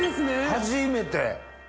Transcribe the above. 初めて。